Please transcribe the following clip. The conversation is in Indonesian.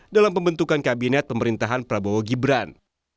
dalam pembentukan kabinet pemerintahan prabowo gibran